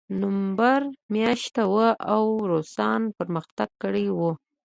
د نومبر میاشت وه او روسانو پرمختګ کړی و